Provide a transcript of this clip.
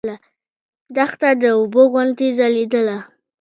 دښته د اوبو غوندې ځلېدله.